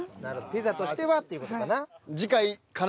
ピザとしてはっていう事かな。